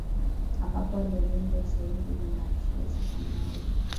ambapo waliamini kuwa kiswahili kiliimarisha uislamu hoja